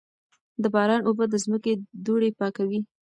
د باران اوبه د ځمکې دوړې پاکوي.